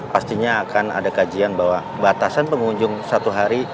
pastinya akan ada kajian bahwa batasan pengunjung satu hari